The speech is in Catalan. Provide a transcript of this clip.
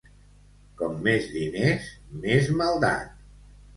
Com més diners, més maldat.